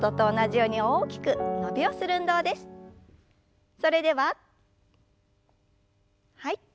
それでははい。